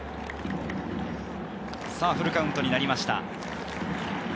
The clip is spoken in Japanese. フルカウントになりました。